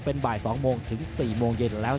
เป็นบ่าย๒โมงถึง๔โมงเย็นแล้ว